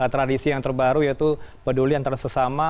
tradisi yang terbaru yaitu peduli antara sesama